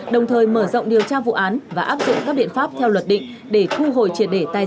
đồng thời mở rộng điều tra vụ án và áp dụng các biện pháp theo luật định để thu hồi triệt để tài sản cho nhà nước